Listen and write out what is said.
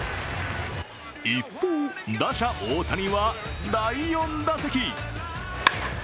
一方、打者・大谷は第４打席。